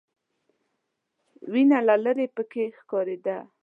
وینه له ليرې پکې ښکارېده.